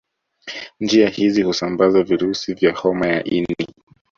Njia hizi husambaza virusi hivi vya homa ya ini